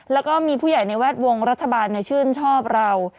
แล้วก็มีผู้ใหญ่ในแวดวงรัฐบาลชื่นชอบเรา